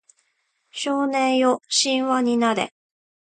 少年よ神話になれ